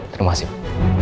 terima kasih pak